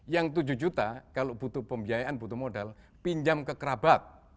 yang tujuh juta kalau butuh pembiayaan butuh modal pinjam ke kerabat